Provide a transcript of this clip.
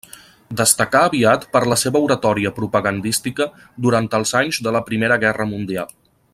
Destacà aviat per la seva oratòria propagandística durant els anys de la Primera Guerra Mundial.